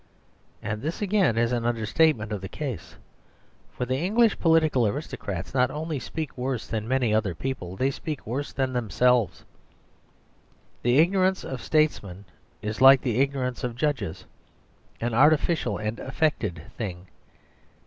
And this again is an under statement of the case. For the English political aristocrats not only speak worse than many other people; they speak worse than themselves. The ignorance of statesmen is like the ignorance of judges, an artificial and affected thing.